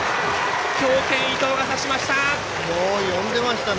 強肩、伊藤がさしました！